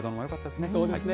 そうですね。